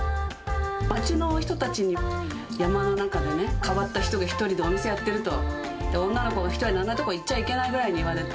町の人たちに山の中でね、変わった人が１人でお店やってると、女の子が１人であんな所に行っちゃいけないぐらいに言われて。